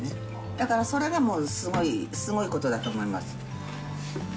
だから、それがもう、すごいことだと思います。